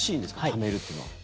ためるというのは。